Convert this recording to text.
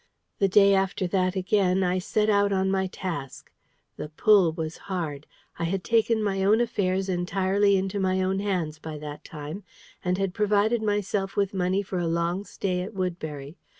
The day after that again, I set out on my task. The pull was hard. I had taken my own affairs entirely into my own hands by that time, and had provided myself with money for a long stay at Woodbury.